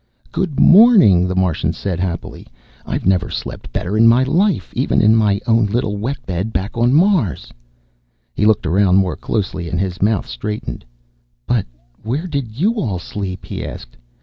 "Good morning!" the Martian said happily. "I never slept better in my life, even in my own little wet bed back on Mars." He looked around more closely and his mouth straightened. "But where did you all sleep?" he asked.